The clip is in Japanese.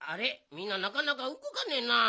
みんななかなかうごかねえな。